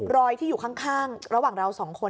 รอยที่อยู่ข้างระหว่างเราสองคน